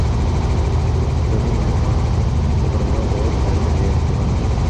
Бул түстөрдүн айкалышы образга оор кайгыны берип тургандай.